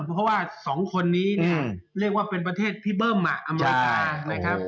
เพราะว่า๒คนนี้เรียกว่าเป็นประเทศที่เบิ้มอเมริกา